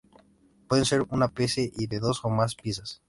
Pueden ser de una pieza y de dos o más piezas.